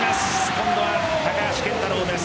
今度は高橋健太郎です。